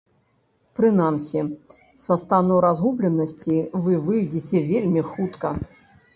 Прынамсі, са стану разгубленасці вы выйдзеце вельмі хутка.